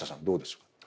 どうでしょう。